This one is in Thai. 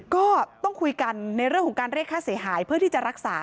ก็ต้องคุยกันในเรื่องของการเรียกค่าเสียหายเพื่อที่จะรักษา